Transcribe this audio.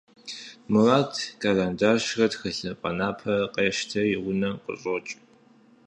Мурат къэрэндащрэ тхылъымпӀэ напэрэ къещтэри унэм къыщӀокӀ.